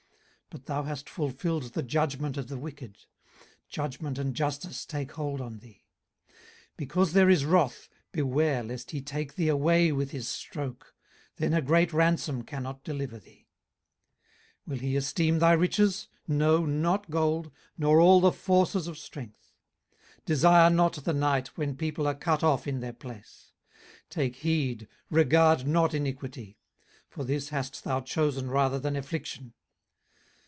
18:036:017 But thou hast fulfilled the judgment of the wicked: judgment and justice take hold on thee. 18:036:018 Because there is wrath, beware lest he take thee away with his stroke: then a great ransom cannot deliver thee. 18:036:019 Will he esteem thy riches? no, not gold, nor all the forces of strength. 18:036:020 Desire not the night, when people are cut off in their place. 18:036:021 Take heed, regard not iniquity: for this hast thou chosen rather than affliction.